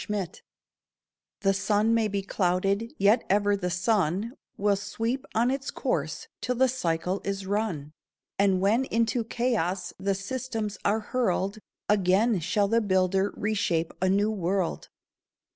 THE LAW The sun may be clouded, yet ever the sun Will sweep on its course till the cycle is run. And when into chaos the systems are hurled, Again shall the Builder reshape a new world.